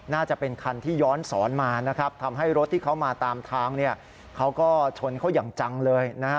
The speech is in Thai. น่าจะเป็นคันที่ย้อนสอนมานะครับทำให้รถที่เขามาตามทางเนี่ยเขาก็ชนเขาอย่างจังเลยนะฮะ